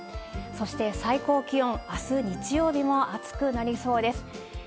そして最高気温、あす日曜日も暑くなりそうです。